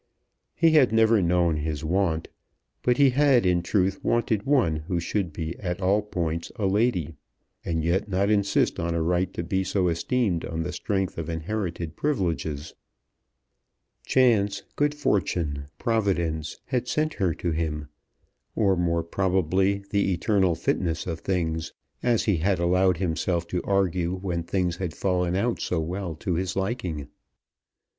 He had never known his want; but he had in truth wanted one who should be at all points a lady, and yet not insist on a right to be so esteemed on the strength of inherited privileges. Chance, good fortune, providence had sent her to him, or more probably the eternal fitness of things, as he had allowed himself to argue when things had fallen out so well to his liking.